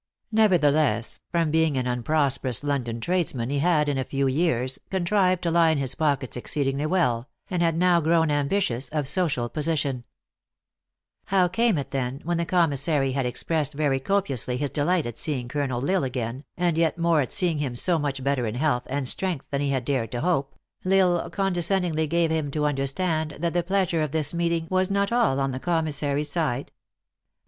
Nev ertheless, from being an unprosperous London trades man, he had, in a few years, contrived to line his pockets exceedingly well, and had now grown ambi tious of social position. THE ACTRESS IN HIGH LIFE. 67 How came it then, when the commissary had ex pressed very copiously his delight at seeing Colonel L Isle again, and yet more at seeing him so much better in health and strength than he had dared to hope, L Isle condescendingly gave him to understand that the pleasure of this meeting was not all on the commissary s side